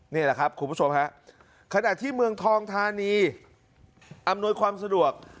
นี่แหละครับคุณผู้ชมฮะขณะที่เมืองทองธานีอำนวยความสะดวก